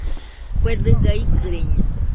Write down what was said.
Kue dɨga ikɨriñeno.